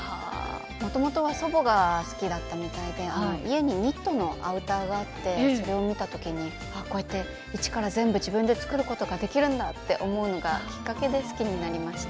もともとは祖母が好きだったみたいで家にニットのアウターがあってそれを見た時にあこうやって一から全部自分で作ることができるんだって思うのがきっかけで好きになりました。